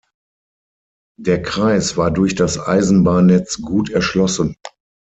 Der Kreis war durch das Eisenbahnnetz gut erschlossen.